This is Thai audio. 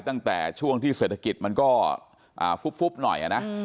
ตั้งแต่ช่วงที่เศรษฐกิจมันก็ฟุบหน่อยนะ